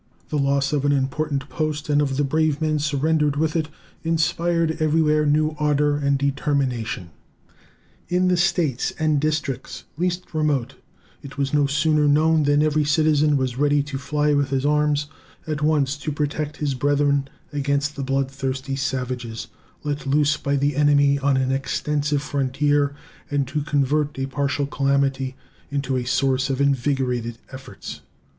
The loss of an important post and of the brave men surrendered with it inspired everywhere new ardor and determination. In the States and districts least remote it was no sooner known than every citizen was ready to fly with his arms at once to protect his brethren against the blood thirsty savages let loose by the enemy on an extensive frontier, and to convert a partial calamity into a source of invigorated efforts.